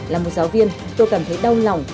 là một giáo viên tôi cảm thấy đau lòng